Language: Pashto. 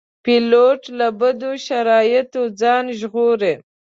پیلوټ له بدو شرایطو ځان ژغوري.